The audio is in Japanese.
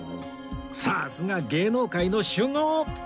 さすが芸能界の酒豪！